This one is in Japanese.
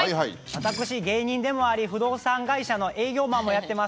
私芸人でもあり不動産会社の営業マンもやってます